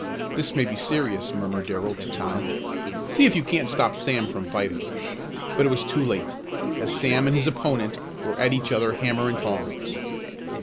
"This may be serious," murmured Darrell to Tom. "See if you can't stop Sam from fighting." But it was too late, as Sam and his opponent were at each other hammer and tongs.